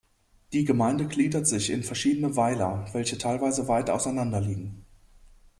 Die Gemeinde gliedert sich in verschiedene Weiler, welche teilweise weit auseinanderliegen.